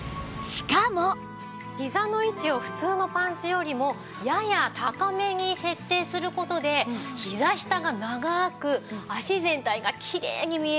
ひざの位置を普通のパンツよりもやや高めに設定する事でひざ下が長く脚全体がきれいに見えるようになっているんです。